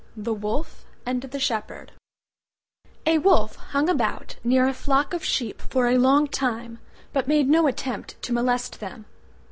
THE WOLF AND THE SHEPHERD A Wolf hung about near a flock of sheep for a long time, but made no attempt to molest them.